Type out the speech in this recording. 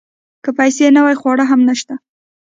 که پیسې نه وي خواړه هم نشته .